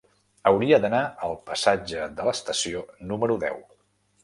Hauria d'anar al passatge de l'Estació número deu.